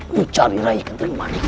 mencari raih ketua manik